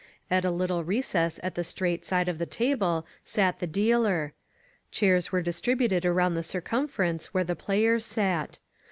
At a little recess at the straight side of the table sat the dealer; chairs were distributed aroimd the circmnference where the players sat.